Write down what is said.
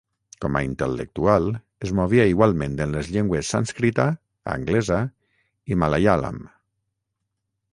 Com a intel·lectual, es movia igualment en les llengües sànscrita, anglesa i malaiàlam.